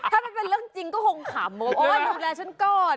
ถ้ามันเป็นเรื่องจริงก็คงขำว่าโอ๊ยดูแลฉันก่อน